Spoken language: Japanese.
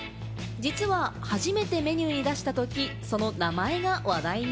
実は初めてメニューに出したとき、その名前が話題に。